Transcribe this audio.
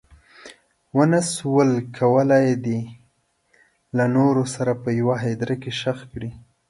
ونه شول کولی دی له نورو سره په یوه هدیره کې ښخ کړي.